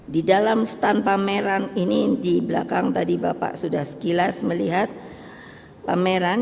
di dalam stand pameran ini di belakang tadi bapak sudah sekilas melihat pameran